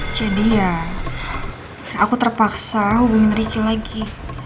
jadi ya aku terpaksa hubungin riki lagi